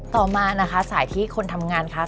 ต่อมานะคะสายที่คนทำงานคะ